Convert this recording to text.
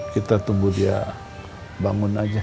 kita tunggu dia bangun aja